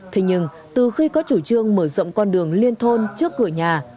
thế nhưng từ khi có chủ trương mở rộng con đường liên thôn trước cửa nhà